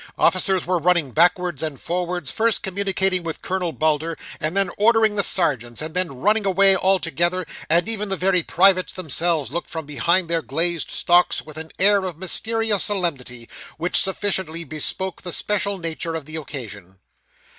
Officers were running backwards and forwards, first communicating with Colonel Bulder, and then ordering the sergeants, and then running away altogether; and even the very privates themselves looked from behind their glazed stocks with an air of mysterious solemnity, which sufficiently bespoke the special nature of the occasion.